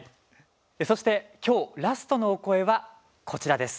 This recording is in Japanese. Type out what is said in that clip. そして今日ラストのお声は、こちらです。